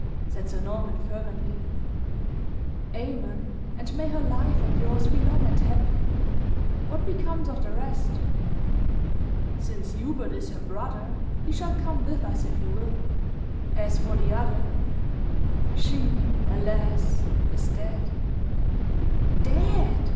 said Sir Norman, fervently. "Amen! And may her life and yours be long and happy. What becomes of the rest?" "Since Hubert is her brother, he shall come with us, if he will. As for the other, she, alas! is dead." "Dead!"